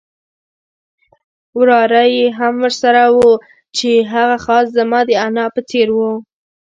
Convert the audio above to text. وراره یې هم ورسره وو چې هغه خاص زما د انا په څېر وو.